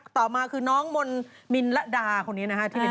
ต่อมาคือน้องมนมินระดาคนนี้นะฮะ